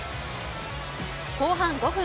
後半５分。